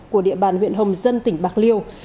của địa bàn huyện hồng dân tỉnh bạc liêu